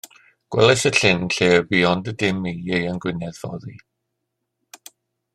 Gwelais y llyn lle y bu ond y dim i Ieuan Gwynedd foddi.